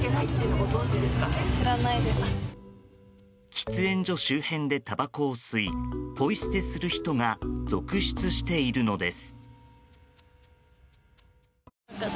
喫煙所周辺でたばこを吸いポイ捨てする人が続出しているのです。